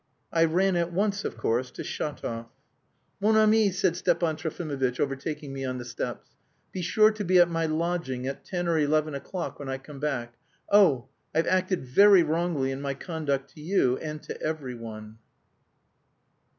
I ran at once, of course, to Shatov. "Mon ami!" said Stepan Trofimovitch, overtaking me on the steps. "Be sure to be at my lodging at ten or eleven o'clock when I come back. Oh, I've acted very wrongly in my conduct to you and to every one."